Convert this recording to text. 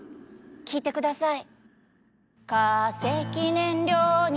聴いてください。